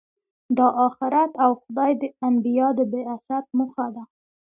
دا آخرت او خدای د انبیا د بعثت موخه ده.